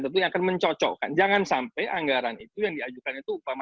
tentunya akan mencocokkan jangan sampai anggaran itu yang diajukan itu upah